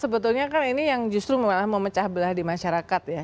sebetulnya kan ini yang justru malah memecah belah di masyarakat ya